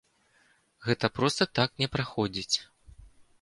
Гэта проста так не праходзіць.